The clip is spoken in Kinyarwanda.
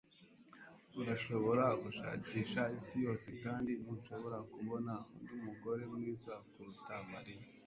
Urashobora gushakisha isi yose kandi ntushobora kubona undi mugore mwiza kuruta Mariya.